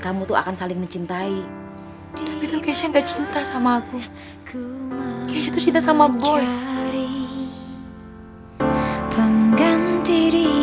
kau takkan terganti